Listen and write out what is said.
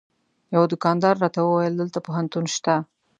یوه دوکاندار راته وویل دلته پوهنتون شته.